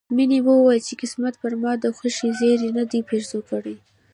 مينې وويل چې قسمت پر ما د خوښۍ زيری نه دی پيرزو کړی